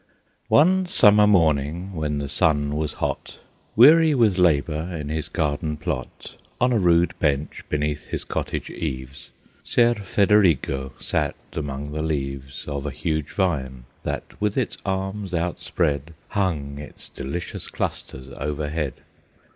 One summer morning, when the sun was hot, Weary with labor in his garden plot, On a rude bench beneath his cottage eaves, Ser Federigo sat among the leaves Of a huge vine, that, with its arms outspread, Hung its delicious clusters overhead.